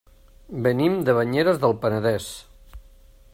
Venim de Banyeres del Penedès.